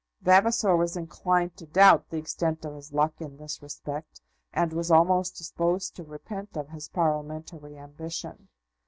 Vavasor was inclined to doubt the extent of his luck in this respect, and was almost disposed to repent of his Parliamentary ambition.